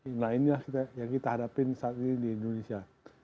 nah inilah yang kita hadapin saat ini di indonesia